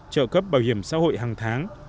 trợ cấp bảo hiểm xã hội hàng tháng